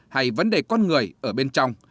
hay vấn đề con người ở bên trong